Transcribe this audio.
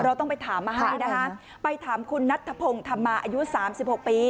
เราต้องไปถามมาให้นะคะไปถามคุณนัทธพงศ์ธรรมาอายุสามสิบหกปี